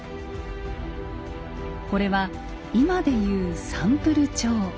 これは今で言うサンプル帳。